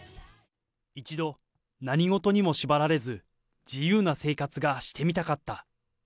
一度、何事にも縛られず、自由な生活がしてみたかった。